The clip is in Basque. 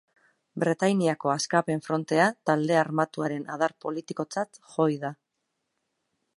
Bretainiako Askapen Frontea talde armatuaren adar politikotzat jo ohi da.